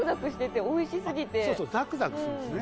そうそうザクザクするんですね。